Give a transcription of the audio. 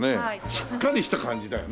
しっかりした感じだよな。